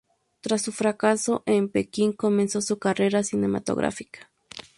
Tras su fracaso en Pekín, comenzó su carrera cinematográfica.